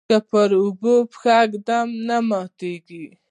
که پر اوبو پښه ږدم نه ماتیږي.